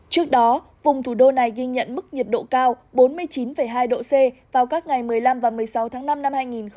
trước đó vùng thủ đô này ghi nhận mức nhiệt độ cao bốn mươi chín hai độ c vào các ngày một mươi năm và một mươi sáu tháng năm năm hai nghìn hai mươi